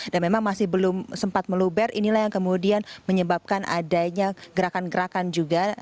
dan memang masih belum sempat meluber inilah yang kemudian menyebabkan adanya gerakan gerakan juga